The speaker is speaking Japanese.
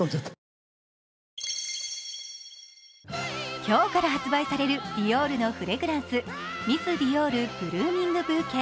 今日から発売されるディオールのフレグランスミスディオールブルーミングブーケ。